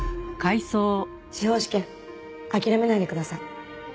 司法試験諦めないでください。